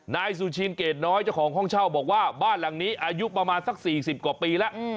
นายสุชินเกรดน้อยเจ้าของห้องเช่าบอกว่าบ้านหลังนี้อายุประมาณสัก๔๐กว่าปีแล้ว